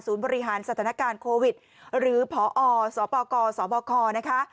บริหารสถานการณ์โควิดหรือพอสปกสบคนะคะ